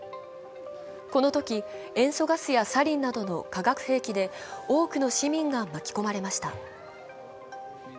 このとき塩素ガスやサリンなどの化学兵器で多くの市民が巻き込まれました。